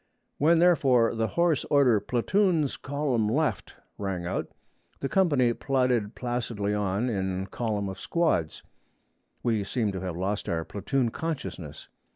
When therefore the hoarse order, 'Platoons column left,' rang out, the company plodded placidly on in column of squads. We seemed to have lost our platoon consciousness.